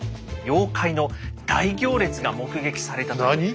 妖怪の大行列が目撃されたという。